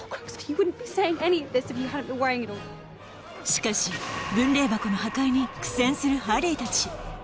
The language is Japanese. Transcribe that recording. しかし分霊箱の破壊に苦戦するハリーたち